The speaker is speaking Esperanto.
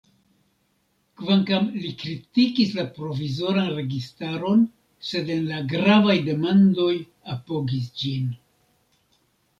Kvankam li kritikis la provizoran registaron, sed en la gravaj demandoj apogis ĝin.